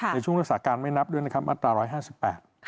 ในช่วงรักษาการไม่นับด้วยนะครับอัตรา๑๕๘